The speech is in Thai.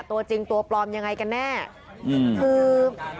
ตัวจริงตัวปลอมยังไงกันแน่คือ